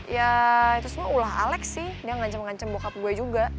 ya terus lo ulah alek sih dia ngancem ngancem bokap gue juga